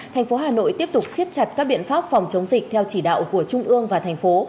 thành phố hà nội tiếp tục xiết chặt các biện pháp phòng chống dịch theo chỉ đạo của trung ương và thành phố